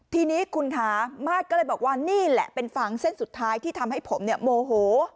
ทีนี้คุณคะมาสก็เลยบอกว่านี่แหละเป็นฟางเส้นสุดท้ายที่ทำให้ผมโมโห